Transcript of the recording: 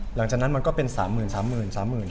หลังจากนั้นมันก็เป็น๓หมื่น๓หมื่น๓หมื่น